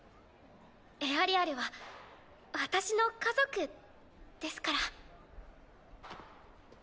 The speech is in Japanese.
エアリアルは私の家族ですから。